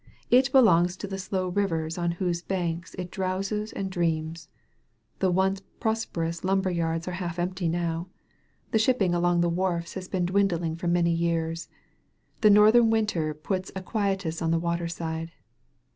It belongs to the slow rivers on whose banks it drowses and dreams. The once prosperous lumber yards are half empty now. The shipping along the 174 SKETCHES OF QUEBEC wharfs has been dwmdling for many years. The northern winter ':>uts a quietus on the waterside.